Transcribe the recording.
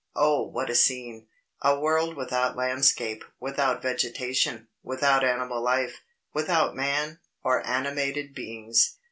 Oh what a scene! A world without landscape, without vegetation, without animal life, without man, or animated beings.